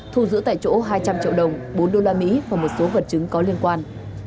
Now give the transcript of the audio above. thu giữ tại chỗ hai trăm linh triệu đồng bốn đô la mỹ và một số vật chứng có liên quan